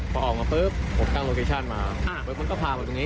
พอออกมาปุ๊บผมตั้งมาอ่าเพราะมันก็พาแบบตรงนี้